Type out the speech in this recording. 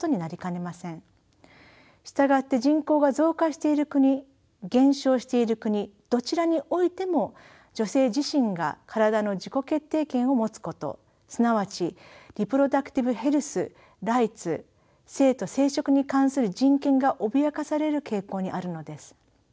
従って人口が増加している国減少している国どちらにおいても女性自身が体の自己決定権を持つことすなわちリプロダクティブ・ヘルス／ライツ性と生殖に関する人権が脅かされる傾向にあるのです。